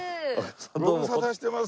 どうもご無沙汰してます。